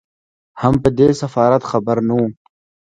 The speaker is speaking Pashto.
هم په دې سفارت خبر نه وو.